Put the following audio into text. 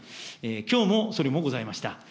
きょうも、それもございました。